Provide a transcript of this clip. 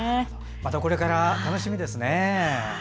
またこれから楽しみですね。